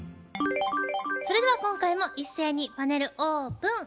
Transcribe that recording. それでは今回も一斉にパネルオープン。